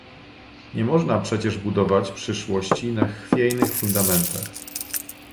Nie można przecież budować przyszłości na chwiejnych fundamentach